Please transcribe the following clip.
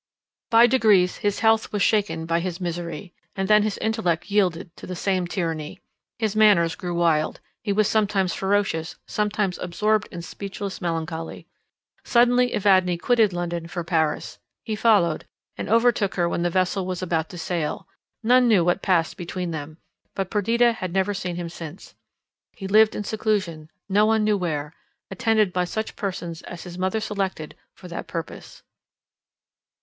By degrees his health was shaken by his misery, and then his intellect yielded to the same tyranny. His manners grew wild; he was sometimes ferocious, sometimes absorbed in speechless melancholy. Suddenly Evadne quitted London for Paris; he followed, and overtook her when the vessel was about to sail; none knew what passed between them, but Perdita had never seen him since; he lived in seclusion, no one knew where, attended by such persons as his mother selected for that purpose.